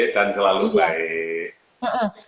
dan selalu baik